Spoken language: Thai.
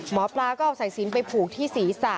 หมอปลาก็เอาสายสินไปผูกที่ศีรษะ